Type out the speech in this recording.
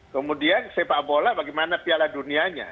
kemudian sepak bola bagaimana piala dunianya